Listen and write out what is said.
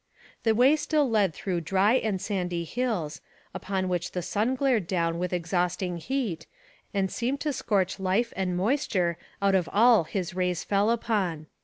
The way still led through dry and sandy hills, upon which the sun glared down with exhausting heat, and seemed to scorch life and moisture out of all his rays fell upon.